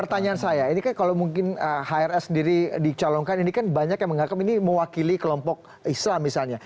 pertanyaan saya ini kan kalau mungkin hrs sendiri dicalonkan ini kan banyak yang menganggap ini mewakili kelompok islam misalnya